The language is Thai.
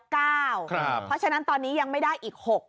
เพราะฉะนั้นตอนนี้ยังไม่ได้อีก๖คน